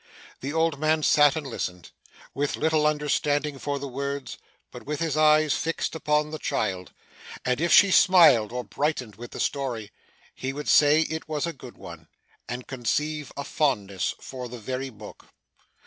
The old man sat and listened with little understanding for the words, but with his eyes fixed upon the child and if she smiled or brightened with the story, he would say it was a good one, and conceive a fondness for the very book.